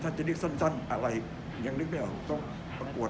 ถ้าจะเรียกซ่อนอะไรยังนึกไม่ออกต้องประกวด